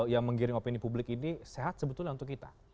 yang menggiring opini publik ini sehat sebetulnya untuk kita